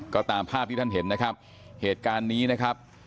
ก็ตามภาพที่ท่านเห็นนะครับเหตุการณ์นี้นะครับ